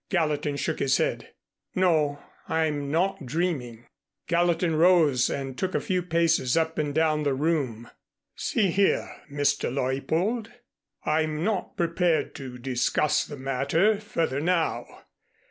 Gallatin shook his head. "No, I'm not dreaming." Gallatin rose and took a few paces up and down the room. "See here, Mr. Leuppold, I'm not prepared to discuss the matter further now.